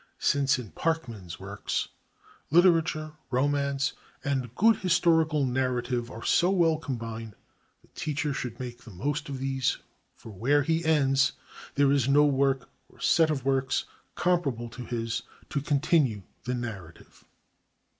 Since, in Parkman's works, literature, romance, and good historical narrative are so well combined, the teacher should make the most of these, for where he ends, there is no work or set of works, comparable to his, to continue the narrative.